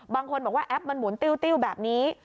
บางคนบอกว่าแอปมันหมุนติ้วแบบนี้